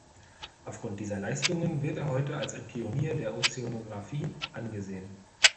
Aufgrund dieser Leistungen wird er heute als ein Pionier der Ozeanographie angesehen.